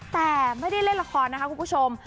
แต่ไม่ได้เล่นละครนะคะคุณผู้ชม